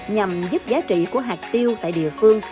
nhằm giúp giá trị của hạt tiêu tại địa phương